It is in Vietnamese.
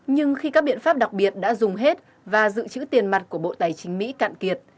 nhưng khi các biện pháp đặc biệt đã dùng hết và dự trữ tiền mặt của bộ tài chính mỹ cạn kiệt